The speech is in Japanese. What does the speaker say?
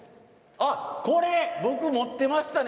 これ、僕持ってましたね。